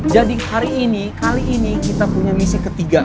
jadi hari ini kali ini kita punya misi ketiga